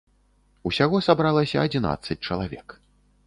Усяго сабралася адзінаццаць чалавек.